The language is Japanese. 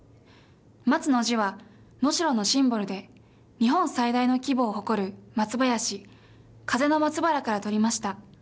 「松」の字は、能代のシンボルで日本最大の規模を誇る松林「風の松原」からとりました。